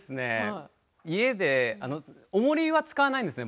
家でおもりは使わないんですね